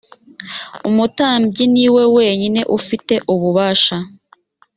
umutambyi niwe wenyine ufite ububasha.